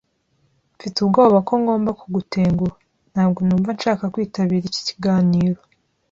Mfite ubwoba ko ngomba kugutenguha. Ntabwo numva nshaka kwitabira iki kiganiro.